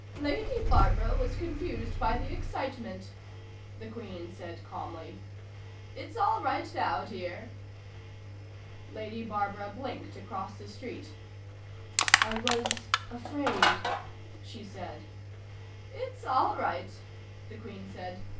"Lady Barbara was confused by the excitement," the Queen said calmly. "It's all right now, dear." Lady Barbara blinked across the seat. "I was afraid," she said. "It's all right," the Queen said.